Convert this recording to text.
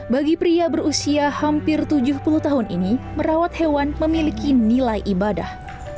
bagi pria berusia hampir tujuh puluh tahun ini merawat hewan memiliki nilai ibadah